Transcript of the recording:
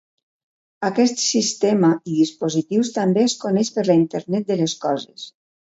Aquest sistema i dispositius també es coneix per la internet de les coses.